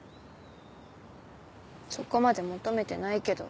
そこまで求めてないけど。